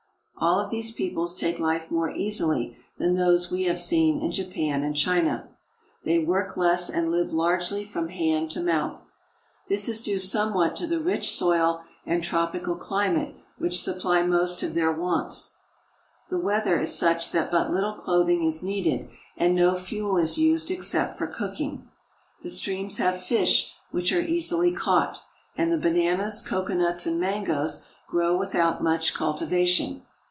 All of these peoples take Hfe more easily than those we have seen in Japan and China. They work less and Hve — upon high posts largely from hand to mouth. This is due somewhat to the rich soil and tropical climate which supply most of their wants. The weather is such that but little clothing is needed, and no fuel is used except for cooking. The streams have fish which are easily caught, and the bananas, coconuts, and mangoes grow without much cultivation.